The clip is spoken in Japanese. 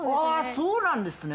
そうなんですね。